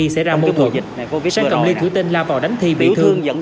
sáng cầm ly thủy tên la vào đánh thi bị thương